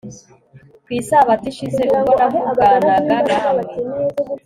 Ku Isabato ishize ubwo navuganaga namwe